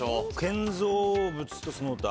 建造物とその他。